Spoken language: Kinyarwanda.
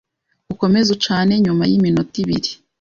ukomeze ucane nyuma y’iminota ibiri